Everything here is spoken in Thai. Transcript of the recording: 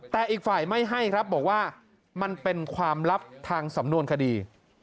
แต่อีกฝ่ายไม่ให้ครับบอกว่ามันเป็นความลับทางสำนวนคดี